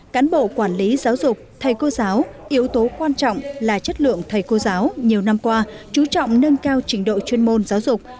cán bộ quản lý giáo dục thầy cô giáo yếu tố quan trọng là chất lượng thầy cô giáo nhiều năm qua chú trọng nâng cao trình độ chuyên môn giáo dục